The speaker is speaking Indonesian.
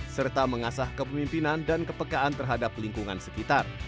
serta mengasah kepemimpinan dan kepekaan terhadap lingkungan sekitar